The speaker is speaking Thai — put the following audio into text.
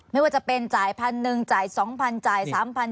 ไม่ว่าจะเป็นจ่ายพันหนึ่งจ่ายสองพันจ่ายสามพัน